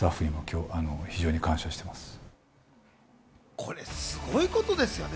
これ、すごいことですよね。